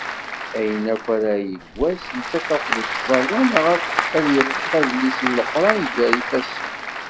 Ayen akk ara yekk wass netta ad tafeḍ yettẓala neɣ ad yeṭṭef adlis n leqran gar yifasen.